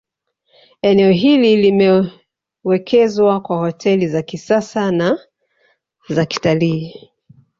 Eneo hili limewekezwa kwa hoteli za kisasa na zakitalii